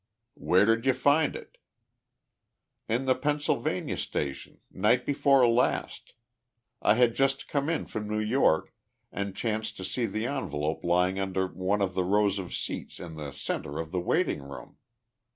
"Where did you find it?" "In the Pennsylvania station, night before last. I had just come in from New York, and chanced to see the envelope lying under one of the rows of seats in the center of the waiting room.